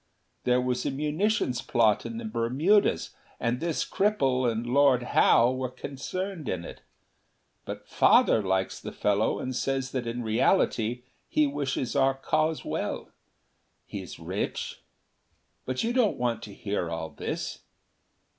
There was a munitions plot in the Bermudas, and this cripple and Lord Howe were concerned in it. But Father likes the fellow and says that in reality he wishes our cause well. He is rich. "But you don't want to hear all this.